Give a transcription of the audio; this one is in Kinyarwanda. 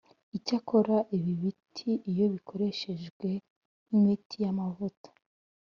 Icyakora ibi biti iyo bikoreshejwe nk’imiti y’amavuta